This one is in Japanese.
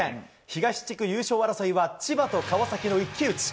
東地区優勝争いは、千葉と川崎の一騎打ち。